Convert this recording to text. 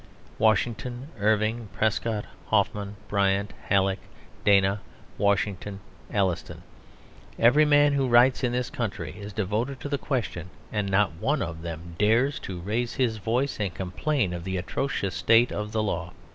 Washington Irving, Prescott, Hoffman, Bryant, Halleck, Dana, Washington Allston every man who writes in this country is devoted to the question, and not one of them dares to raise his voice and complain of the atrocious state of the law.